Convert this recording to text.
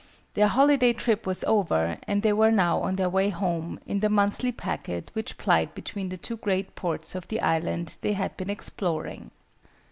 Their holiday trip was over, and they were now on their way home, in the monthly packet which plied between the two great ports of the island they had been exploring.